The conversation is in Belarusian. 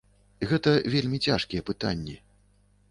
Гэта вельмі цяжкія пытанні.